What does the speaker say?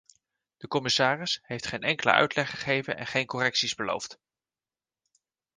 De commissaris heeft geen enkele uitleg gegeven en geen correcties beloofd.